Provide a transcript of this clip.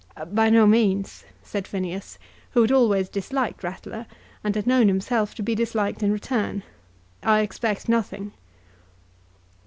"By no means," said Phineas, who had always disliked Ratler, and had known himself to be disliked in return. "I expect nothing."